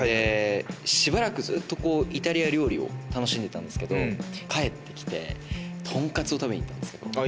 しばらく、ずっとイタリア料理を楽しんでたんですけど、帰ってきて、とんかつを食べに行ったんですよ。